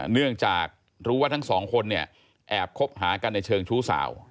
เนื่องจากรู้ว่าทั้งสองคนเนี่ยแอบคบหากันในเชิงชู้สาว